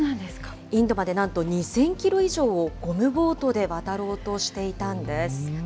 インドまでなんと２０００キロ以上をゴムボートで渡ろうとしていたんです。